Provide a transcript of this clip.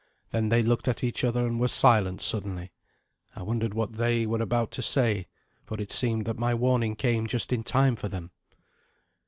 Then they looked at each other, and were silent suddenly. I wondered what they, were about to say, for it seemed that my warning came just in time for them.